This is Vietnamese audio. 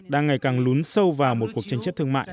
đang ngày càng lún sâu vào một cuộc tranh chấp thương mại